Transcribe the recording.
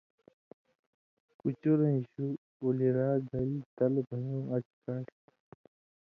کُچُرَیں شُو اولیۡ را گیل تل بھیؤں اڅھکاݜ تھُو۔